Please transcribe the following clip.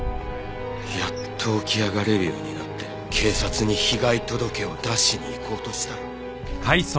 やっと起き上がれるようになって警察に被害届を出しに行こうとしたら。